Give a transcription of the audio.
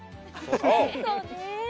そうね。